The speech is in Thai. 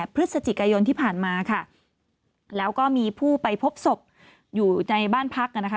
พฤศจิกายนที่ผ่านมาค่ะแล้วก็มีผู้ไปพบศพอยู่ในบ้านพักนะคะ